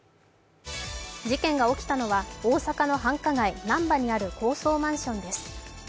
事件が起きたのは大阪の繁華街・なんばにある高層マンションです。